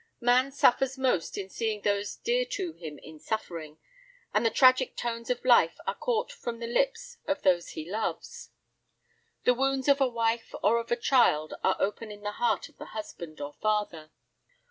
Man suffers most in seeing those dear to him in suffering, and the tragic tones of life are caught from the lips of those he loves. The wounds of a wife or of a child are open in the heart of the husband or father.